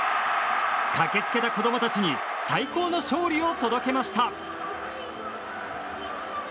駆け付けた子供たちに最高の勝利を届けました。